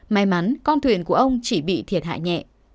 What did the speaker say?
may mắn con thuyền của ông chỉ bị thiệt hại nhẹ